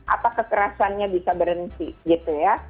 apa kekerasannya bisa berhenti gitu ya